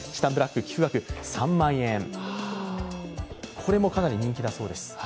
これもかなり人気だそうです。